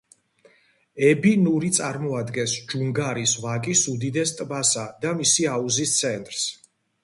ები-ნური წარმოადგენს ჯუნგარის ვაკის უდიდეს ტბასა და მისი აუზის ცენტრს.